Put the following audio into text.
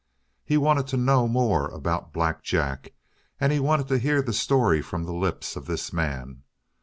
He wanted to know more about Black Jack, and he wanted to hear the story from the lips of this man.